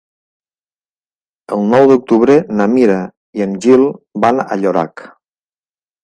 El nou d'octubre na Mira i en Gil van a Llorac.